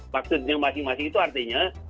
maksudnya masing masing itu artinya